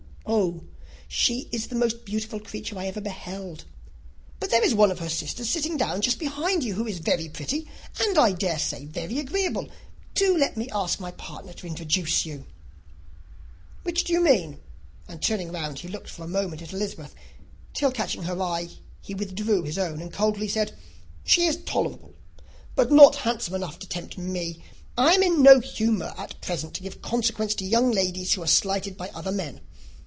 "Oh, she is the most beautiful creature I ever beheld! But there is one of her sisters sitting down just behind you, who is very pretty, and I dare say very agreeable. Do let me ask my partner to introduce you." [Illustration: "She is tolerable" [Copyright 1894 by George Allen.]] "Which do you mean?" and turning round, he looked for a moment at Elizabeth, till, catching her eye, he withdrew his own, and coldly said, "She is tolerable: but not handsome enough to tempt me; and I am in no humour at present to give consequence to young ladies who are slighted by other men.